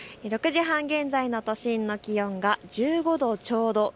６時半現在の都心の気温は１５度ちょうど。